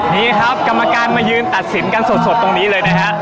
นี่ครับกรรมการมายืนตัดสินกันสดตรงนี้เลยนะฮะ